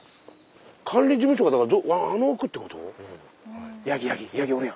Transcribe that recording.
管理事務所がだからあの奥ってこと？